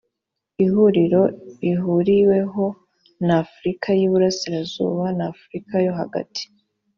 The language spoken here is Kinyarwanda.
ihuriro rihuriweho n’afurika y’ i burasirazuba n’afurika yo hagati